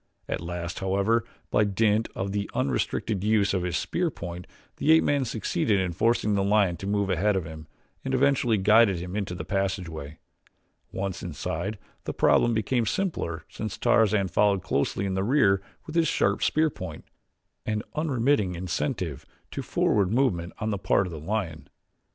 At last, however, by dint of the unrestricted use of his spear point, the ape man succeeded in forcing the lion to move ahead of him and eventually guided him into the passageway. Once inside, the problem became simpler since Tarzan followed closely in the rear with his sharp spear point, an unremitting incentive to forward movement on the part of the lion.